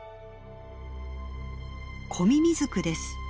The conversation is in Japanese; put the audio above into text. コミミズクです。